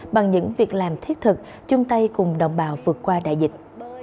bằng những việc làm thiết thực chung tay cùng đồng bào vượt qua đại dịch